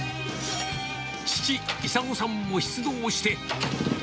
父、功さんも出動して。